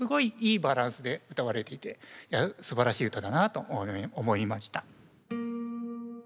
いいバランスで歌われていていやすばらしい歌だなと思いました。